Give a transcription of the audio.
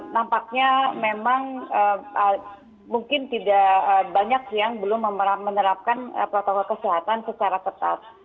nampaknya memang mungkin tidak banyak yang belum menerapkan protokol kesehatan secara ketat